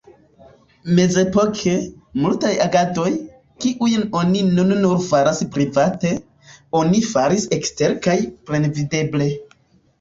Mezepoke, multaj agadoj, kiujn oni nun nur faras private, oni faris ekstere kaj plenvideble.